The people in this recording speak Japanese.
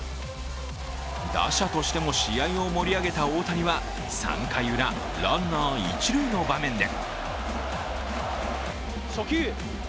打者としても試合を盛り上げた大谷は３回ウラ、ランナー一塁の場面で。